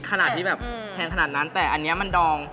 ขนาดที่แบบแพงขนาดนั้นแต่อันนี้มันดอง